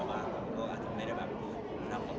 วันนี้ยังไม่ได้บวงสวง